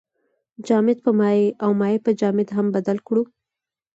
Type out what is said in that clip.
جامد په مایع او مایع په جامد هم بدل کړو.